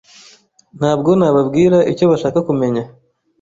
Ntabwo nababwira icyo bashaka kumenya.